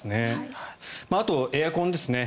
あとエアコンですね。